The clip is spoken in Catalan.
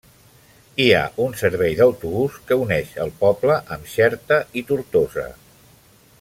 Hi ha un servei d'autobús que uneix el poble amb Xerta i Tortosa.